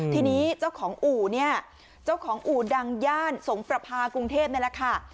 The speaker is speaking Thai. ทีนี้เจ้าของอู่เนี่ยเจ้าของอู่ดังย่านสงประพากรุงเทพนี่แหละค่ะ